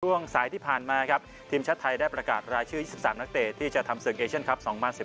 ช่วงสายที่ผ่านมาครับทีมชาติไทยได้ประกาศรายชื่อ๒๓นักเตะที่จะทำศึกเอเชียนคลับ๒๐๑๘